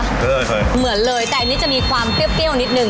เหมือนเลยแต่อันนี้จะมีความเปรี้ยวนิดนึ